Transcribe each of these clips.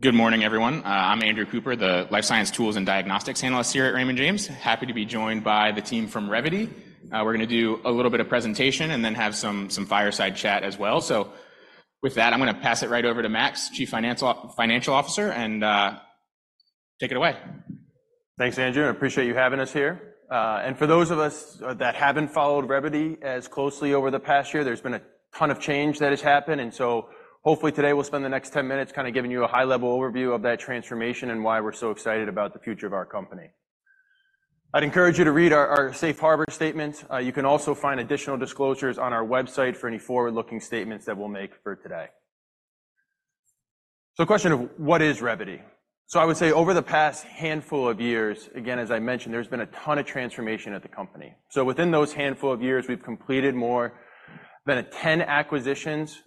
Perfect. Good morning, everyone. I'm Andrew Cooper, the Life Science Tools and Diagnostics Analyst here at Raymond James. Happy to be joined by the team from Revvity. We're going to do a little bit of presentation and then have some fireside chat as well. So with that, I'm going to pass it right over to Max, Chief Financial Officer, and take it away. Thanks, Andrew. I appreciate you having us here. For those of us that haven't followed Revvity as closely over the past year, there's been a ton of change that has happened. So hopefully today we'll spend the next 10 minutes kind of giving you a high-level overview of that transformation and why we're so excited about the future of our company. I'd encourage you to read our Safe Harbor statements. You can also find additional disclosures on our website for any forward-looking statements that we'll make today. So a question of what is Revvity? I would say over the past handful of years, again, as I mentioned, there's been a ton of transformation at the company. Within those handful of years, we've completed more than 10 acquisitions.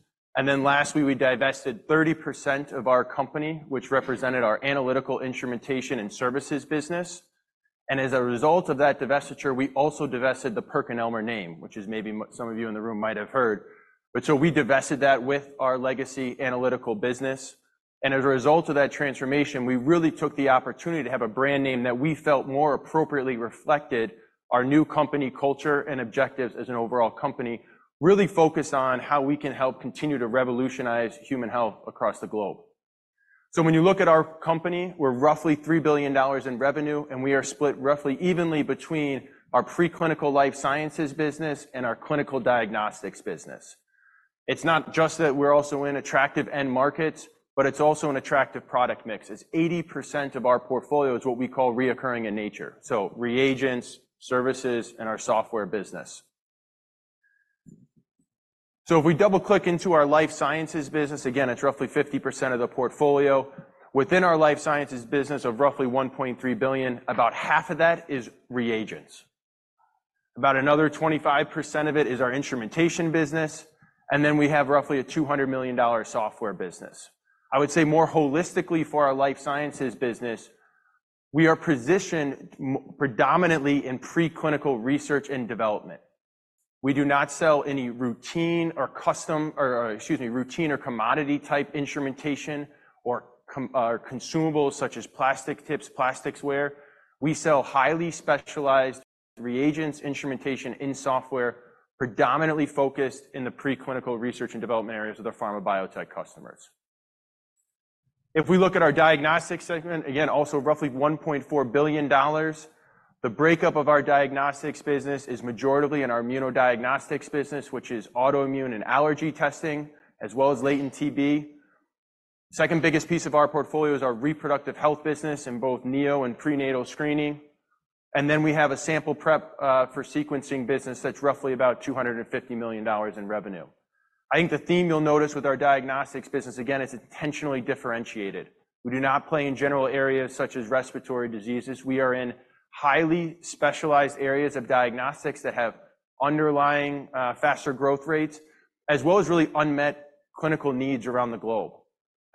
Then lastly, we divested 30% of our company, which represented our analytical instrumentation and services business. As a result of that divestiture, we also divested the PerkinElmer name, which maybe some of you in the room might have heard. But so we divested that with our legacy analytical business. As a result of that transformation, we really took the opportunity to have a brand name that we felt more appropriately reflected our new company culture and objectives as an overall company, really focused on how we can help continue to revolutionize human health across the globe. So when you look at our company, we're roughly $3 billion in revenue, and we are split roughly evenly between our preclinical life sciences business and our clinical diagnostics business. It's not just that we're also in attractive end markets, but it's also an attractive product mix. It's 80% of our portfolio is what we call recurring in nature, so reagents, services, and our software business. So if we double-click into our life sciences business, again, it's roughly 50% of the portfolio. Within our life sciences business of roughly $1.3 billion, about half of that is reagents. About another 25% of it is our instrumentation business. And then we have roughly a $200 million software business. I would say more holistically for our life sciences business, we are positioned predominantly in preclinical research and development. We do not sell any routine or custom or, excuse me, routine or commodity-type instrumentation or consumables such as plastic tips, plasticware. We sell highly specialized reagents, instrumentation, and software, predominantly focused in the preclinical research and development areas with our pharma biotech customers. If we look at our diagnostics segment, again, also roughly $1.4 billion, the breakup of our diagnostics business is majority in our immunodiagnostics business, which is autoimmune and allergy testing, as well as latent TB. Second biggest piece of our portfolio is our reproductive health business in both neo and prenatal screening. And then we have a sample prep for sequencing business that's roughly about $250 million in revenue. I think the theme you'll notice with our diagnostics business, again, it's intentionally differentiated. We do not play in general areas such as respiratory diseases. We are in highly specialized areas of diagnostics that have underlying faster growth rates, as well as really unmet clinical needs around the globe.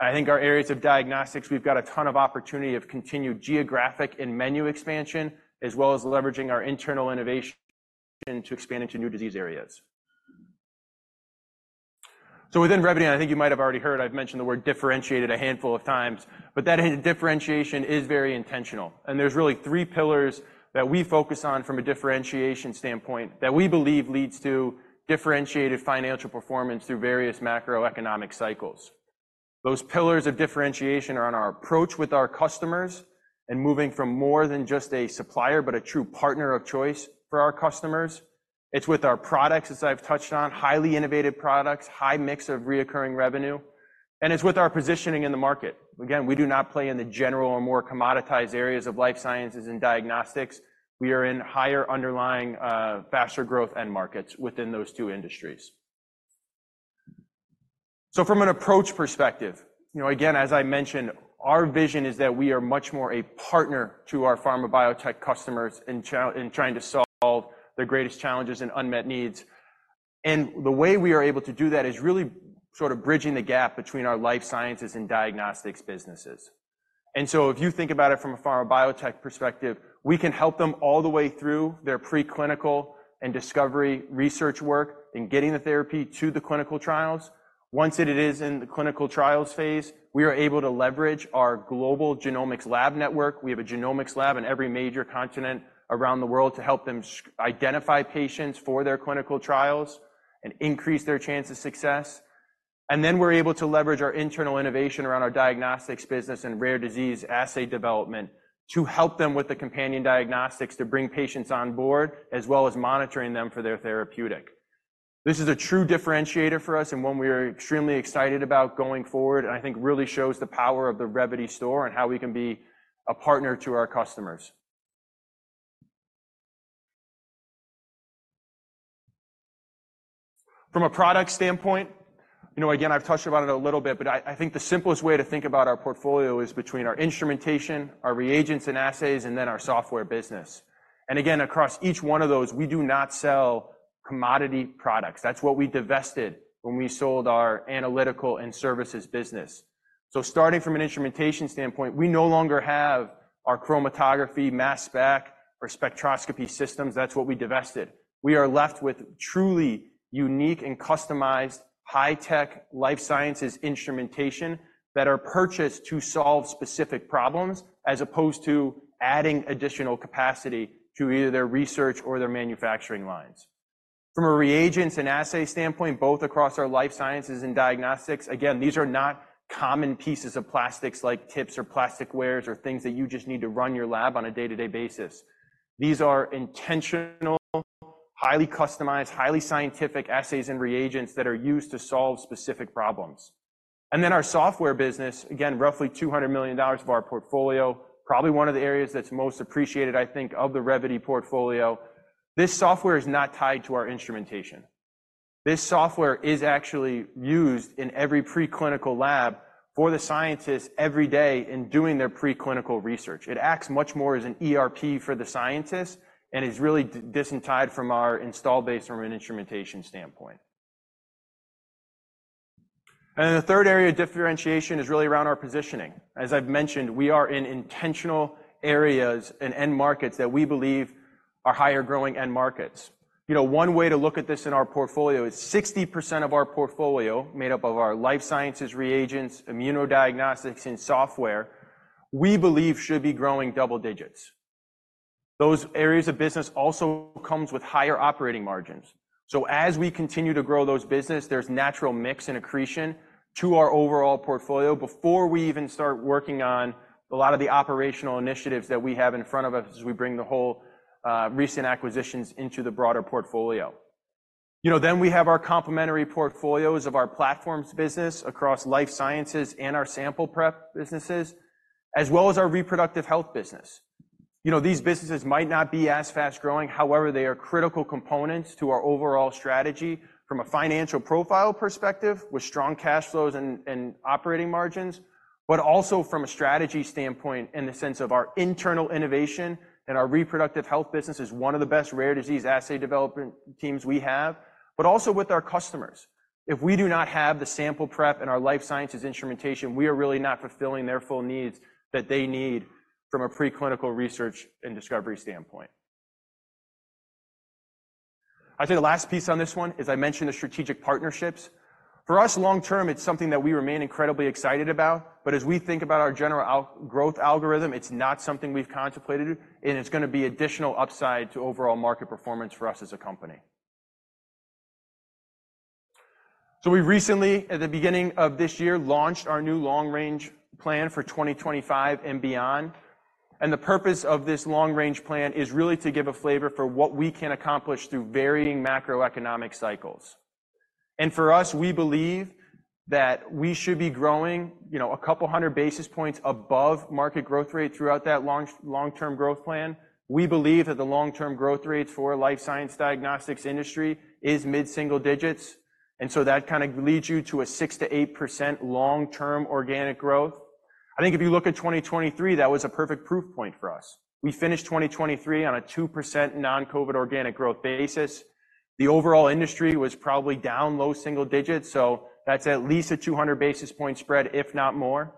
I think our areas of diagnostics, we've got a ton of opportunity of continued geographic and menu expansion, as well as leveraging our internal innovation to expand into new disease areas. So within Revvity, and I think you might have already heard, I've mentioned the word differentiated a handful of times, but that differentiation is very intentional. There's really three pillars that we focus on from a differentiation standpoint that we believe leads to differentiated financial performance through various macroeconomic cycles. Those pillars of differentiation are on our approach with our customers and moving from more than just a supplier but a true partner of choice for our customers. It's with our products, as I've touched on, highly innovative products, high mix of recurring revenue. And it's with our positioning in the market. Again, we do not play in the general or more commoditized areas of life sciences and diagnostics. We are in higher underlying faster growth end markets within those two industries. So from an approach perspective, again, as I mentioned, our vision is that we are much more a partner to our pharma biotech customers in trying to solve their greatest challenges and unmet needs. The way we are able to do that is really sort of bridging the gap between our life sciences and diagnostics businesses. And so if you think about it from a pharma biotech perspective, we can help them all the way through their preclinical and discovery research work in getting the therapy to the clinical trials. Once it is in the clinical trials phase, we are able to leverage our global genomics lab network. We have a genomics lab in every major continent around the world to help them identify patients for their clinical trials and increase their chance of success. And then we're able to leverage our internal innovation around our diagnostics business and rare disease assay development to help them with the companion diagnostics to bring patients on board, as well as monitoring them for their therapeutic. This is a true differentiator for us and one we are extremely excited about going forward and I think really shows the power of the Revvity story and how we can be a partner to our customers. From a product standpoint, again, I've touched about it a little bit, but I think the simplest way to think about our portfolio is between our instrumentation, our reagents and assays, and then our software business. Again, across each one of those, we do not sell commodity products. That's what we divested when we sold our analytical and services business. Starting from an instrumentation standpoint, we no longer have our chromatography, mass spec, or spectroscopy systems. That's what we divested. We are left with truly unique and customized high-tech life sciences instrumentation that are purchased to solve specific problems as opposed to adding additional capacity to either their research or their manufacturing lines. From a reagents and assay standpoint, both across our life sciences and diagnostics, again, these are not common pieces of plastics like tips or plasticwears or things that you just need to run your lab on a day-to-day basis. These are intentional, highly customized, highly scientific assays and reagents that are used to solve specific problems. And then our software business, again, roughly $200 million of our portfolio, probably one of the areas that's most appreciated, I think, of the Revvity portfolio, this software is not tied to our instrumentation. This software is actually used in every preclinical lab for the scientists every day in doing their preclinical research. It acts much more as an ERP for the scientists and is really disentangled from our installed base from an instrumentation standpoint. Then the third area of differentiation is really around our positioning. As I've mentioned, we are in intentional areas and end markets that we believe are higher growing end markets. One way to look at this in our portfolio is 60% of our portfolio made up of our life sciences reagents, immunodiagnostics, and software, we believe should be growing double digits. Those areas of business also come with higher operating margins. So as we continue to grow those businesses, there's natural mix and accretion to our overall portfolio before we even start working on a lot of the operational initiatives that we have in front of us as we bring the whole recent acquisitions into the broader portfolio. Then we have our complementary portfolios of our platforms business across life sciences and our sample prep businesses, as well as our reproductive health business. These businesses might not be as fast-growing. However, they are critical components to our overall strategy from a financial profile perspective with strong cash flows and operating margins, but also from a strategy standpoint in the sense of our internal innovation and our reproductive health business is one of the best rare disease assay development teams we have, but also with our customers. If we do not have the sample prep and our life sciences instrumentation, we are really not fulfilling their full needs that they need from a preclinical research and discovery standpoint. I'd say the last piece on this one is I mentioned the strategic partnerships. For us, long term, it's something that we remain incredibly excited about, but as we think about our general growth algorithm, it's not something we've contemplated, and it's going to be additional upside to overall market performance for us as a company. So we recently, at the beginning of this year, launched our new long-range plan for 2025 and beyond. And the purpose of this long-range plan is really to give a flavor for what we can accomplish through varying macroeconomic cycles. And for us, we believe that we should be growing a couple hundred basis points above market growth rate throughout that long-term growth plan. We believe that the long-term growth rates for life science diagnostics industry are mid-single digits. And so that kind of leads you to a 6%-8% long-term organic growth. I think if you look at 2023, that was a perfect proof point for us. We finished 2023 on a 2% non-COVID organic growth basis. The overall industry was probably down low single digits, so that's at least a 200 basis point spread, if not more.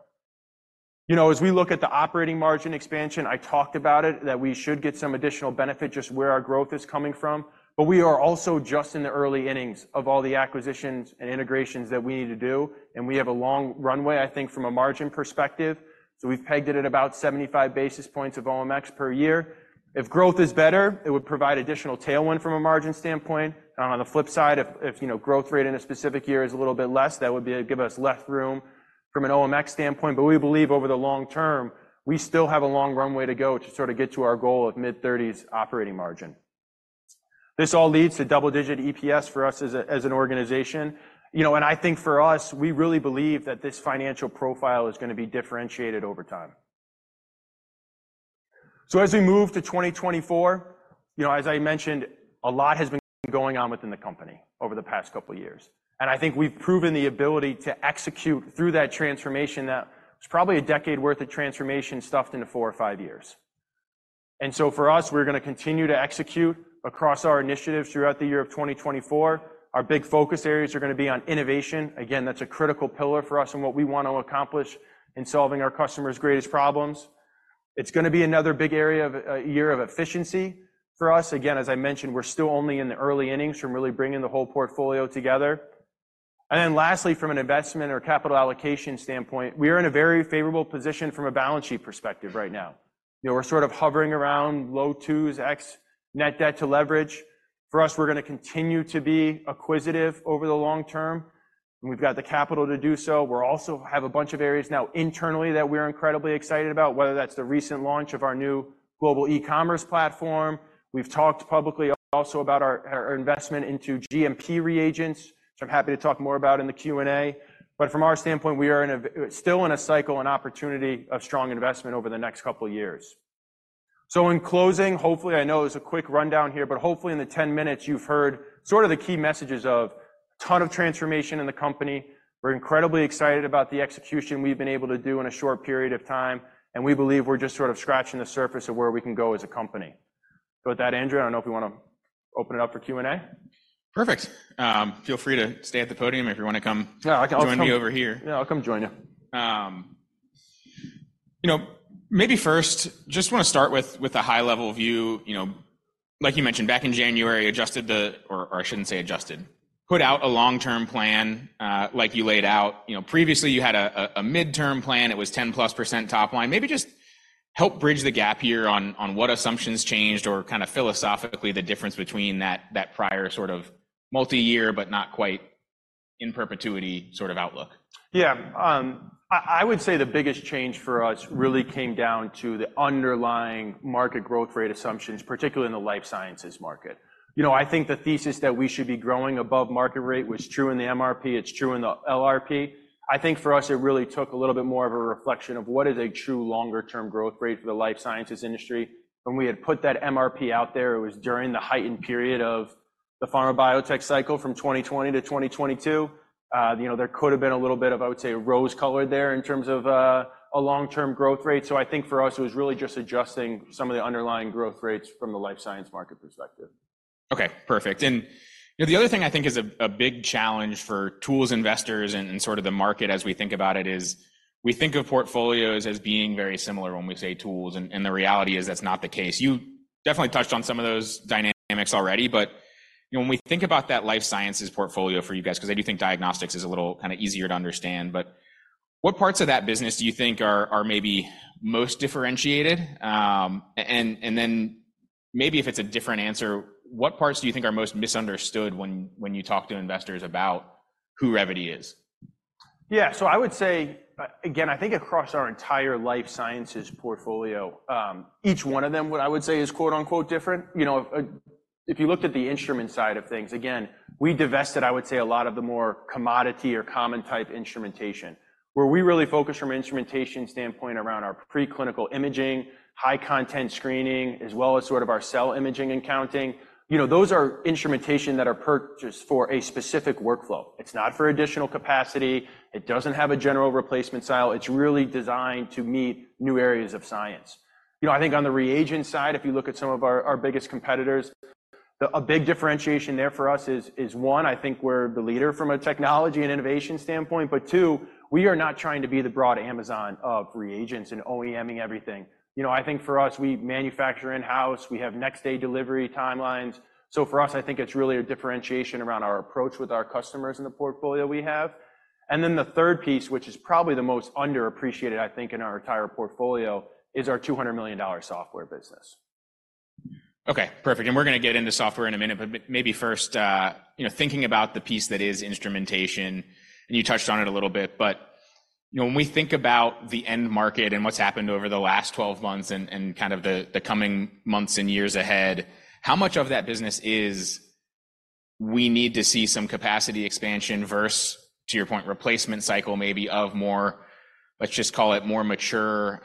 As we look at the operating margin expansion, I talked about it, that we should get some additional benefit just where our growth is coming from. But we are also just in the early innings of all the acquisitions and integrations that we need to do, and we have a long runway, I think, from a margin perspective. So we've pegged it at about 75 basis points of OMX per year. If growth is better, it would provide additional tailwind from a margin standpoint. On the flip side, if growth rate in a specific year is a little bit less, that would give us less room from an OMX standpoint. But we believe over the long term, we still have a long runway to go to sort of get to our goal of mid-30s operating margin. This all leads to double-digit EPS for us as an organization. And I think for us, we really believe that this financial profile is going to be differentiated over time. So as we move to 2024, as I mentioned, a lot has been going on within the company over the past couple of years. And I think we've proven the ability to execute through that transformation that was probably a decade worth of transformation stuffed into four or five years. And so for us, we're going to continue to execute across our initiatives throughout the year of 2024. Our big focus areas are going to be on innovation. Again, that's a critical pillar for us in what we want to accomplish in solving our customers' greatest problems. It's going to be another big year of efficiency for us. Again, as I mentioned, we're still only in the early innings from really bringing the whole portfolio together. And then lastly, from an investment or capital allocation standpoint, we are in a very favorable position from a balance sheet perspective right now. We're sort of hovering around low 2x net debt to leverage. For us, we're going to continue to be acquisitive over the long term, and we've got the capital to do so. We also have a bunch of areas now internally that we're incredibly excited about, whether that's the recent launch of our new global e-commerce platform. We've talked publicly also about our investment into GMP reagents, which I'm happy to talk more about in the Q&A. But from our standpoint, we are still in a cycle and opportunity of strong investment over the next couple of years. So in closing, hopefully, I know it's a quick rundown here, but hopefully in the 10 minutes, you've heard sort of the key messages of a ton of transformation in the company. We're incredibly excited about the execution we've been able to do in a short period of time, and we believe we're just sort of scratching the surface of where we can go as a company. With that, Andrew, I don't know if you want to open it up for Q&A. Perfect. Feel free to stay at the podium if you want to come. Yeah, I can also. Join me over here. Yeah, I'll come join you. Maybe first, just want to start with a high-level view. Like you mentioned, back in January, adjusted the or I shouldn't say adjusted, put out a long-term plan like you laid out. Previously, you had a mid-term plan. It was 10%+ top line. Maybe just help bridge the gap here on what assumptions changed or kind of philosophically the difference between that prior sort of multi-year but not quite in perpetuity sort of outlook. Yeah. I would say the biggest change for us really came down to the underlying market growth rate assumptions, particularly in the life sciences market. I think the thesis that we should be growing above market rate was true in the MRP. It's true in the LRP. I think for us, it really took a little bit more of a reflection of what is a true longer-term growth rate for the life sciences industry. When we had put that MRP out there, it was during the heightened period of the pharma biotech cycle from 2020 to 2022. There could have been a little bit of, I would say, rose color there in terms of a long-term growth rate. So I think for us, it was really just adjusting some of the underlying growth rates from the life science market perspective. Okay. Perfect. And the other thing I think is a big challenge for tools investors and sort of the market as we think about it is we think of portfolios as being very similar when we say tools, and the reality is that's not the case. You definitely touched on some of those dynamics already, but when we think about that life sciences portfolio for you guys because I do think diagnostics is a little kind of easier to understand, but what parts of that business do you think are maybe most differentiated? And then maybe if it's a different answer, what parts do you think are most misunderstood when you talk to investors about who Revvity is? Yeah. So I would say, again, I think across our entire life sciences portfolio, each one of them, what I would say, is "different." If you looked at the instrument side of things, again, we divested, I would say, a lot of the more commodity or common type instrumentation where we really focus from an instrumentation standpoint around our preclinical imaging, high-content screening, as well as sort of our cell imaging and counting. Those are instrumentation that are purchased for a specific workflow. It's not for additional capacity. It doesn't have a general replacement style. It's really designed to meet new areas of science. I think on the reagent side, if you look at some of our biggest competitors, a big differentiation there for us is, one, I think we're the leader from a technology and innovation standpoint, but two, we are not trying to be the broad Amazon of reagents and OEMing everything. I think for us, we manufacture in-house. We have next-day delivery timelines. So for us, I think it's really a differentiation around our approach with our customers in the portfolio we have. And then the third piece, which is probably the most underappreciated, I think, in our entire portfolio, is our $200 million software business. Okay. Perfect. And we're going to get into software in a minute, but maybe first, thinking about the piece that is instrumentation, and you touched on it a little bit, but when we think about the end market and what's happened over the last 12 months and kind of the coming months and years ahead, how much of that business is we need to see some capacity expansion versus, to your point, replacement cycle maybe of more, let's just call it, more mature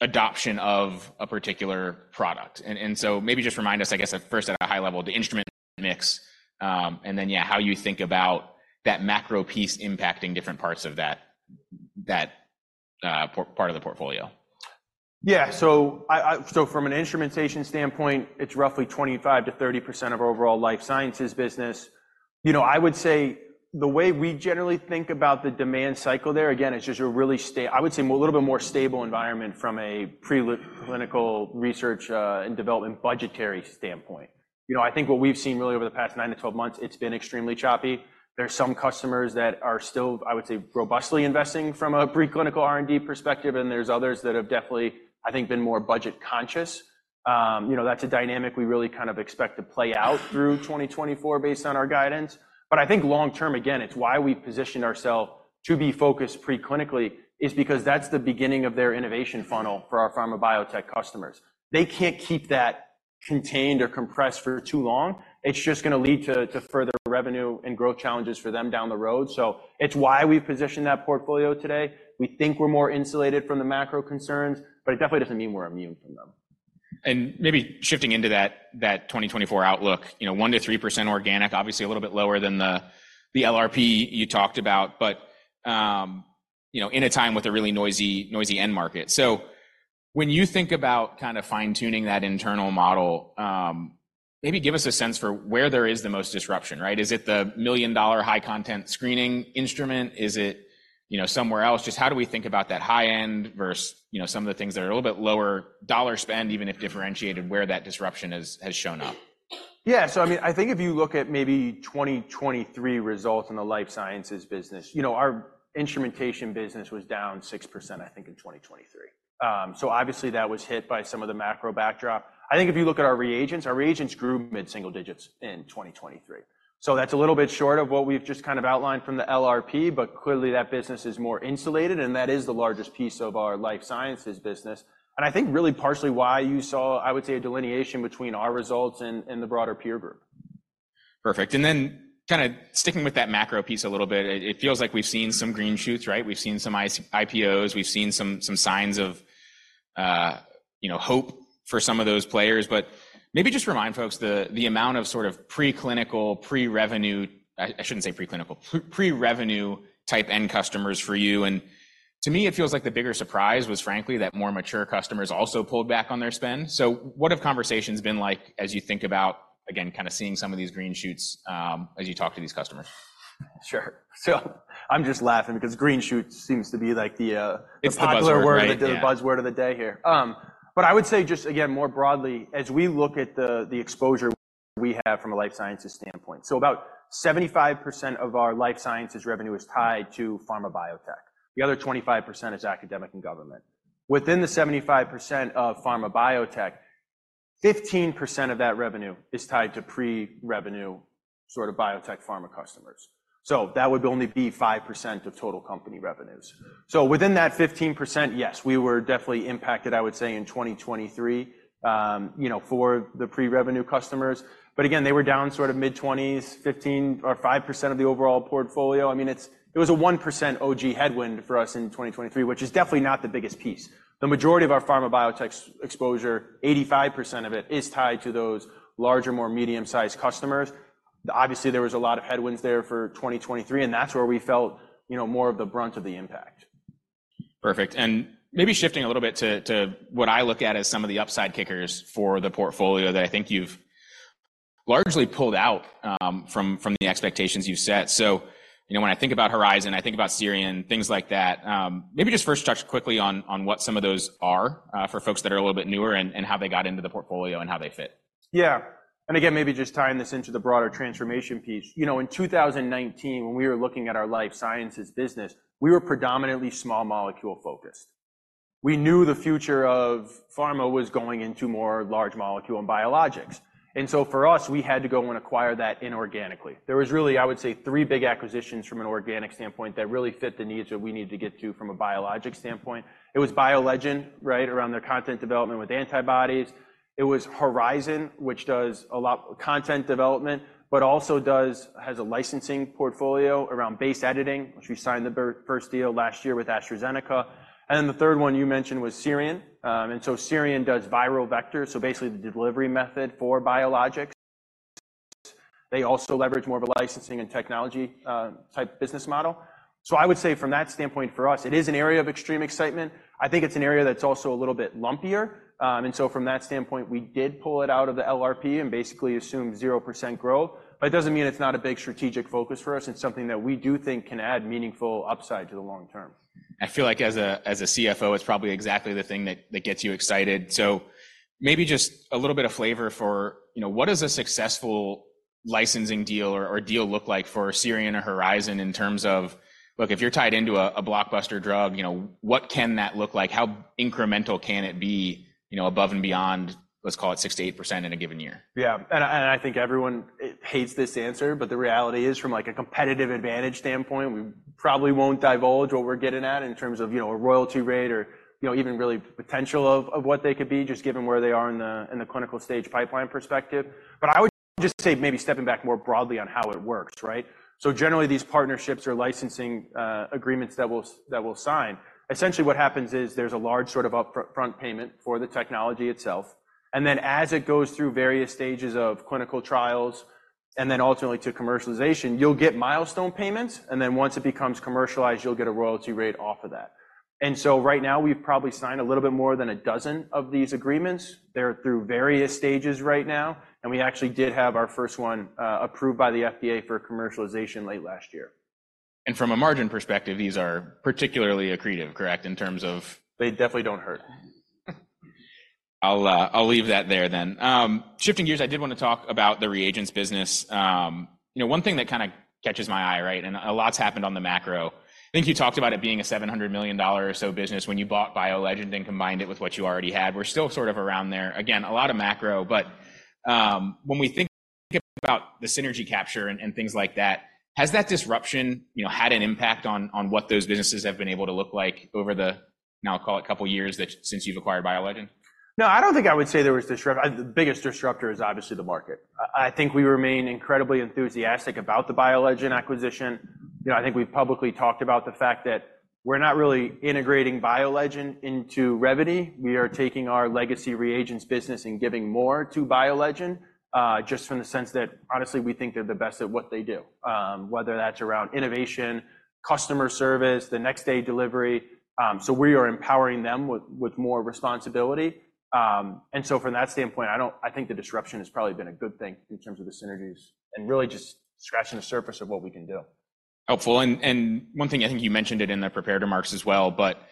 adoption of a particular product? And so maybe just remind us, I guess, first at a high level, the instrument mix, and then, yeah, how you think about that macro piece impacting different parts of that part of the portfolio. Yeah. So from an instrumentation standpoint, it's roughly 25%-30% of overall life sciences business. I would say the way we generally think about the demand cycle there, again, it's just a really stable, I would say, a little bit more stable environment from a preclinical research and development budgetary standpoint. I think what we've seen really over the past 9-12 months, it's been extremely choppy. There's some customers that are still, I would say, robustly investing from a preclinical R&D perspective, and there's others that have definitely, I would say, been more budget conscious. That's a dynamic we really kind of expect to play out through 2024 based on our guidance. But I think long term, again, it's why we position ourselves to be focused preclinically is because that's the beginning of their innovation funnel for our pharma biotech customers. They can't keep that contained or compressed for too long. It's just going to lead to further revenue and growth challenges for them down the road. So it's why we've positioned that portfolio today. We think we're more insulated from the macro concerns, but it definitely doesn't mean we're immune from them. Maybe shifting into that 2024 outlook, 1%-3% organic, obviously a little bit lower than the LRP you talked about, but in a time with a really noisy end market. So when you think about kind of fine-tuning that internal model, maybe give us a sense for where there is the most disruption, right? Is it the million-dollar high-content screening instrument? Is it somewhere else? Just how do we think about that high-end versus some of the things that are a little bit lower dollar spend, even if differentiated, where that disruption has shown up? Yeah. So I mean, I think if you look at maybe 2023 results in the life sciences business, our instrumentation business was down 6%, I think, in 2023. So obviously, that was hit by some of the macro backdrop. I think if you look at our reagents, our reagents grew mid-single digits in 2023. So that's a little bit short of what we've just kind of outlined from the LRP, but clearly, that business is more insulated, and that is the largest piece of our life sciences business. And I think really partially why you saw, I would say, a delineation between our results and the broader peer group. Perfect. And then kind of sticking with that macro piece a little bit, it feels like we've seen some green shoots, right? We've seen some IPOs. We've seen some signs of hope for some of those players. But maybe just remind folks the amount of sort of preclinical, pre-revenue I shouldn't say preclinical. Pre-revenue type end customers for you. And to me, it feels like the bigger surprise was, frankly, that more mature customers also pulled back on their spend. So what have conversations been like as you think about, again, kind of seeing some of these green shoots as you talk to these customers? Sure. So I'm just laughing because green shoot seems to be the popular word of the day here. But I would say just, again, more broadly, as we look at the exposure we have from a life sciences standpoint, so about 75% of our life sciences revenue is tied to pharma biotech. The other 25% is academic and government. Within the 75% of pharma biotech, 15% of that revenue is tied to pre-revenue sort of biotech pharma customers. So that would only be 5% of total company revenues. So within that 15%, yes, we were definitely impacted, I would say, in 2023 for the pre-revenue customers. But again, they were down sort of mid-20s, 15 or 5% of the overall portfolio. I mean, it was a 1% OG headwind for us in 2023, which is definitely not the biggest piece. The majority of our pharma biotech exposure, 85% of it, is tied to those larger, more medium-sized customers. Obviously, there was a lot of headwinds there for 2023, and that's where we felt more of the brunt of the impact. Perfect. Maybe shifting a little bit to what I look at as some of the upside kickers for the portfolio that I think you've largely pulled out from the expectations you've set. When I think about Horizon, I think about SIRION, things like that. Maybe just first touch quickly on what some of those are for folks that are a little bit newer and how they got into the portfolio and how they fit. Yeah. And again, maybe just tying this into the broader transformation piece. In 2019, when we were looking at our life sciences business, we were predominantly small molecule focused. We knew the future of pharma was going into more large molecule and biologics. And so for us, we had to go and acquire that inorganically. There was really, I would say, three big acquisitions from an organic standpoint that really fit the needs that we needed to get to from a biologic standpoint. It was BioLegend, right, around their content development with antibodies. It was Horizon, which does a lot of content development but also has a licensing portfolio around base editing, which we signed the first deal last year with AstraZeneca. And then the third one you mentioned was SIRION. And so SIRION does viral vectors, so basically the delivery method for biologics. They also leverage more of a licensing and technology type business model. So I would say from that standpoint for us, it is an area of extreme excitement. I think it's an area that's also a little bit lumpier. And so from that standpoint, we did pull it out of the LRP and basically assume 0% growth. But it doesn't mean it's not a big strategic focus for us. It's something that we do think can add meaningful upside to the long term. I feel like as a CFO, it's probably exactly the thing that gets you excited. So maybe just a little bit of flavor for what does a successful licensing deal or deal look like for SIRION or Horizon in terms of, look, if you're tied into a blockbuster drug, what can that look like? How incremental can it be above and beyond, let's call it, 6%-8% in a given year? Yeah. And I think everyone hates this answer, but the reality is from a competitive advantage standpoint, we probably won't divulge what we're getting at in terms of a royalty rate or even really potential of what they could be just given where they are in the clinical stage pipeline perspective. But I would just say maybe stepping back more broadly on how it works, right? So generally, these partnerships or licensing agreements that we'll sign, essentially, what happens is there's a large sort of upfront payment for the technology itself. And then as it goes through various stages of clinical trials and then ultimately to commercialization, you'll get milestone payments. And then once it becomes commercialized, you'll get a royalty rate off of that. And so right now, we've probably signed a little bit more than a dozen of these agreements. They're through various stages right now. We actually did have our first one approved by the FDA for commercialization late last year. From a margin perspective, these are particularly accretive, correct, in terms of? They definitely don't hurt. I'll leave that there then. Shifting gears, I did want to talk about the reagents business. One thing that kind of catches my eye, right, and a lot's happened on the macro. I think you talked about it being a $700 million or so business when you bought BioLegend and combined it with what you already had. We're still sort of around there. Again, a lot of macro. But when we think about the synergy capture and things like that, has that disruption had an impact on what those businesses have been able to look like over the, now I'll call it, couple of years since you've acquired BioLegend? No, I don't think I would say there was disruption. The biggest disruptor is obviously the market. I think we remain incredibly enthusiastic about the BioLegend acquisition. I think we've publicly talked about the fact that we're not really integrating BioLegend into Revvity. We are taking our legacy reagents business and giving more to BioLegend just from the sense that, honestly, we think they're the best at what they do, whether that's around innovation, customer service, the next-day delivery. So we are empowering them with more responsibility. And so from that standpoint, I think the disruption has probably been a good thing in terms of the synergies and really just scratching the surface of what we can do. Helpful. And one thing, I think you mentioned it in the preparatory remarks as well, but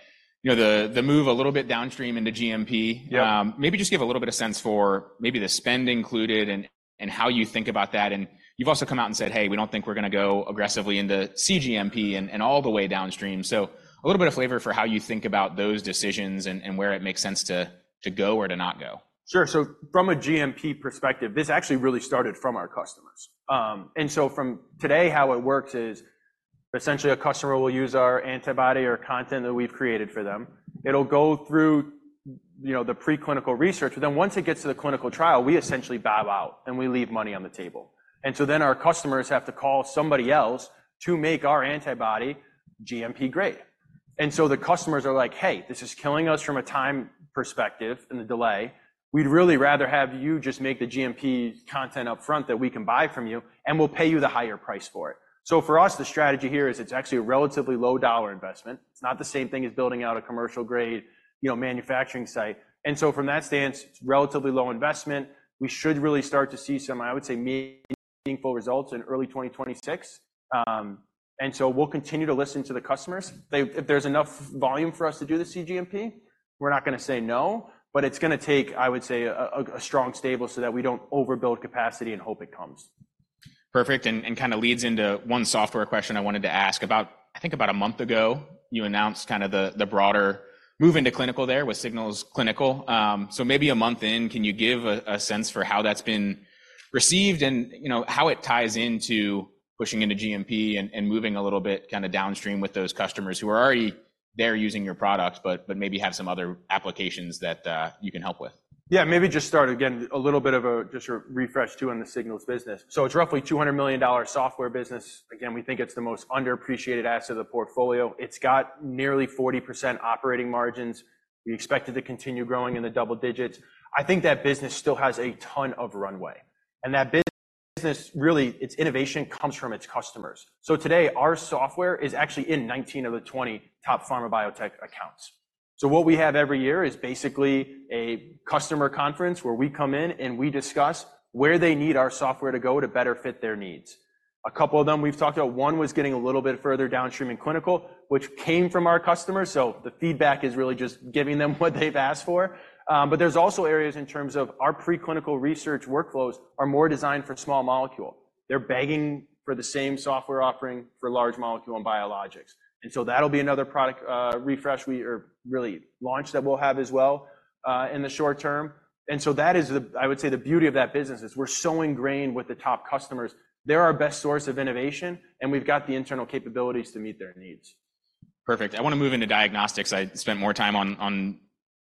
the move a little bit downstream into GMP, maybe just give a little bit of sense for maybe the spend included and how you think about that. And you've also come out and said, "Hey, we don't think we're going to go aggressively into cGMP and all the way downstream." So a little bit of flavor for how you think about those decisions and where it makes sense to go or to not go. Sure. So from a GMP perspective, this actually really started from our customers. And so from today, how it works is essentially a customer will use our antibody or content that we've created for them. It'll go through the preclinical research. But then once it gets to the clinical trial, we essentially bow out, and we leave money on the table. And so then our customers have to call somebody else to make our antibody GMP grade. And so the customers are like, "Hey, this is killing us from a time perspective and the delay. We'd really rather have you just make the GMP content upfront that we can buy from you, and we'll pay you the higher price for it." So for us, the strategy here is it's actually a relatively low-dollar investment. It's not the same thing as building out a commercial-grade manufacturing site. And so from that stance, it's relatively low investment. We should really start to see some, I would say, meaningful results in early 2026. And so we'll continue to listen to the customers. If there's enough volume for us to do the CGMP, we're not going to say no. But it's going to take, I would say, a strong stable so that we don't overbuild capacity and hope it comes. Perfect. And kind of leads into one software question I wanted to ask about. I think about a month ago, you announced kind of the broader move into clinical there with Signals Clinical. So maybe a month in, can you give a sense for how that's been received and how it ties into pushing into GMP and moving a little bit kind of downstream with those customers who are already there using your products but maybe have some other applications that you can help with? Yeah. Maybe just start again, a little bit of a refresh too on the Signals business. So it's roughly $200 million software business. Again, we think it's the most underappreciated asset of the portfolio. It's got nearly 40% operating margins. We expect it to continue growing in the double digits. I think that business still has a ton of runway. And that business, really, its innovation comes from its customers. So today, our software is actually in 19 of the 20 top pharma biotech accounts. So what we have every year is basically a customer conference where we come in, and we discuss where they need our software to go to better fit their needs. A couple of them we've talked about. One was getting a little bit further downstream in clinical, which came from our customers. So the feedback is really just giving them what they've asked for. But there's also areas in terms of our preclinical research workflows are more designed for small molecule. They're begging for the same software offering for large molecule and biologics. And so that'll be another product refresh or really launch that we'll have as well in the short term. And so that is, I would say, the beauty of that business is we're so ingrained with the top customers. They're our best source of innovation, and we've got the internal capabilities to meet their needs. Perfect. I want to move into diagnostics. I spent more time on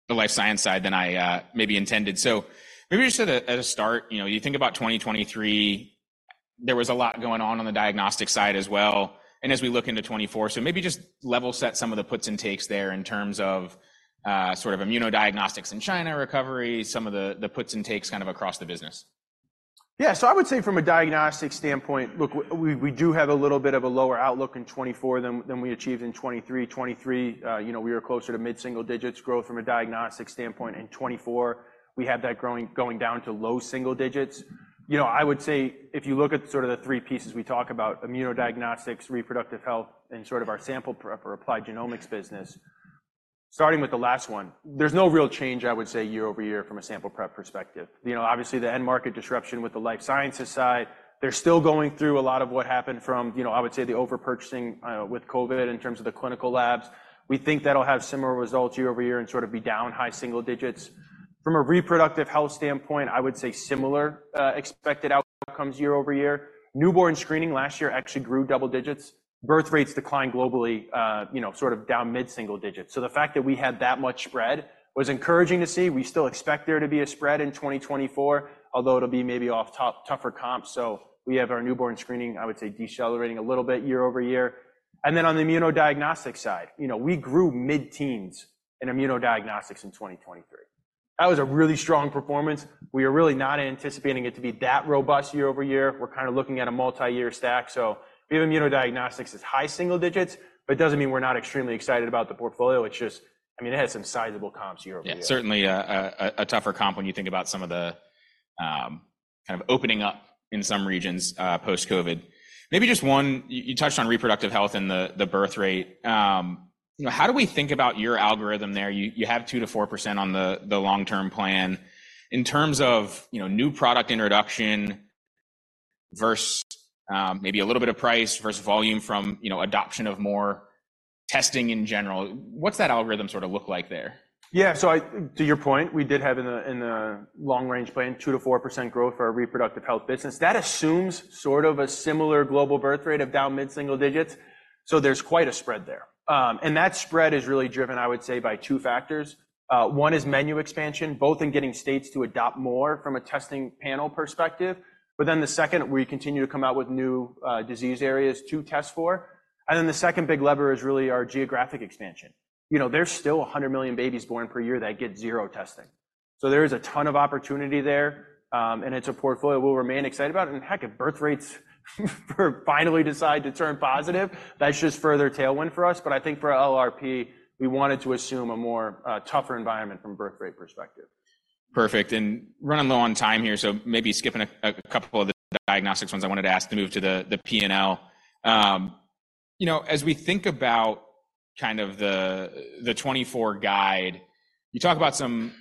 the life science side than I maybe intended. So maybe just at a start, you think about 2023, there was a lot going on on the diagnostic side as well. And as we look into 2024, so maybe just level set some of the puts and takes there in terms of sort of immunodiagnostics in China recovery, some of the puts and takes kind of across the business. Yeah. So I would say from a diagnostic standpoint, look, we do have a little bit of a lower outlook in 2024 than we achieved in 2023. 2023, we were closer to mid-single digits growth from a diagnostic standpoint. In 2024, we had that growing going down to low single digits. I would say if you look at sort of the three pieces we talk about, immunodiagnostics, reproductive health, and sort of our sample prep or applied genomics business, starting with the last one, there's no real change, I would say, year-over-year from a sample prep perspective. Obviously, the end market disruption with the life sciences side, they're still going through a lot of what happened from, I would say, the overpurchasing with COVID in terms of the clinical labs. We think that'll have similar results year-over-year and sort of be down high single digits. From a reproductive health standpoint, I would say similar expected outcomes year-over-year. Newborn screening last year actually grew double digits. Birth rates declined globally sort of down mid-single digits. So the fact that we had that much spread was encouraging to see. We still expect there to be a spread in 2024, although it'll be maybe off tougher comps. So we have our newborn screening, I would say, decelerating a little bit year-over-year. And then on the immunodiagnostic side, we grew mid-teens in immunodiagnostics in 2023. That was a really strong performance. We are really not anticipating it to be that robust year-over-year. We're kind of looking at a multi-year stack. So we have immunodiagnostics as high single digits, but it doesn't mean we're not extremely excited about the portfolio. It's just, I mean, it has some sizable comps year-over-year. Yeah. Certainly a tougher comp when you think about some of the kind of opening up in some regions post-COVID. Maybe just one, you touched on reproductive health and the birth rate. How do we think about your algorithm there? You have 2%-4% on the long-term plan. In terms of new product introduction versus maybe a little bit of price versus volume from adoption of more testing in general, what's that algorithm sort of look like there? Yeah. So to your point, we did have in the long-range plan 2%-4% growth for our reproductive health business. That assumes sort of a similar global birth rate of down mid-single digits. So there's quite a spread there. And that spread is really driven, I would say, by two factors. One is menu expansion, both in getting states to adopt more from a testing panel perspective. But then the second, we continue to come out with new disease areas to test for. And then the second big lever is really our geographic expansion. There's still 100 million babies born per year that get zero testing. So there is a ton of opportunity there. And it's a portfolio we'll remain excited about. And heck, if birth rates finally decide to turn positive, that's just further tailwind for us. But I think for LRP, we wanted to assume a more tougher environment from a birth rate perspective. Perfect. Running low on time here, so maybe skipping a couple of the diagnostics ones I wanted to ask to move to the P&L. As we think about kind of the 2024 guide, you talk about some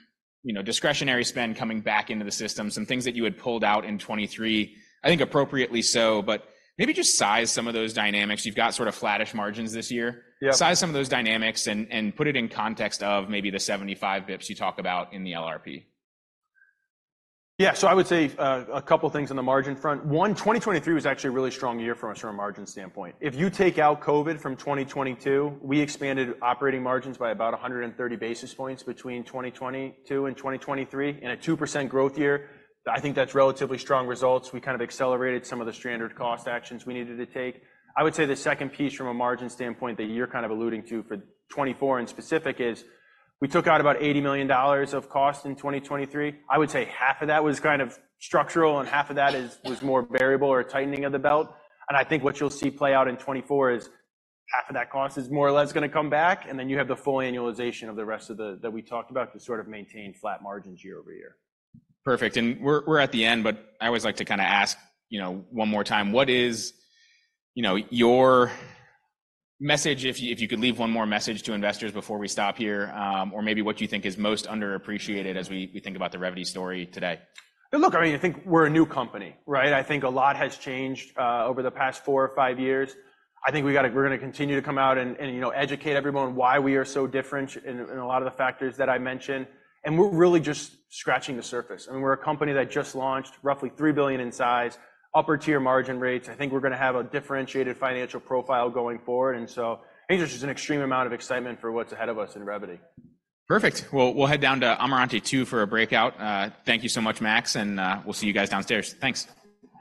discretionary spend coming back into the system, some things that you had pulled out in 2023. I think appropriately so. Maybe just size some of those dynamics. You've got sort of flat-ish margins this year. Size some of those dynamics and put it in context of maybe the 75 basis points you talk about in the LRP. Yeah. So I would say a couple of things on the margin front. One, 2023 was actually a really strong year from a margin standpoint. If you take out COVID from 2022, we expanded operating margins by about 130 basis points between 2022 and 2023 in a 2% growth year. I think that's relatively strong results. We kind of accelerated some of the standard cost actions we needed to take. I would say the second piece from a margin standpoint that you're kind of alluding to for 2024 in specific is we took out about $80 million of cost in 2023. I would say half of that was kind of structural and half of that was more variable or a tightening of the belt. And I think what you'll see play out in 2024 is half of that cost is more or less going to come back. And then you have the full annualization of the rest of that that we talked about to sort of maintain flat margins year-over-year. Perfect. And we're at the end, but I always like to kind of ask one more time, what is your message if you could leave one more message to investors before we stop here or maybe what you think is most underappreciated as we think about the Revvity story today? Look, I mean, I think we're a new company, right? I think a lot has changed over the past four or five years. I think we're going to continue to come out and educate everyone why we are so different in a lot of the factors that I mentioned. And we're really just scratching the surface. I mean, we're a company that just launched, roughly $3 billion in size, upper-tier margin rates. I think we're going to have a differentiated financial profile going forward. And so I think there's just an extreme amount of excitement for what's ahead of us in Revvity. Perfect. Well, we'll head down to Amarante 2 for a breakout. Thank you so much, Max. And we'll see you guys downstairs. Thanks.